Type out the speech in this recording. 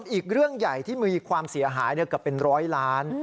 อีกเรื่องใหญ่ที่มีความเสียหายเกือบเป็นร้อยล้าน